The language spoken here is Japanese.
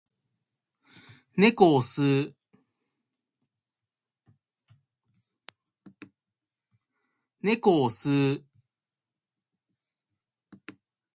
猫を吸う